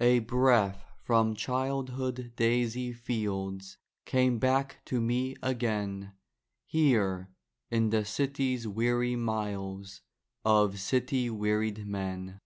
_ _A breath from childhood daisy fields Came back to me again, Here in the city's weary miles Of city wearied men.